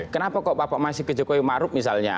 kenapa kok bapak masih ke jokowi maruf misalnya